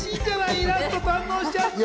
イラスト堪能しちゃって。